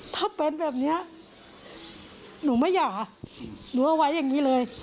ถ้าเป็นแบบนี้หนูไม่หย่าหนูเอาไว้อย่างนี้เลย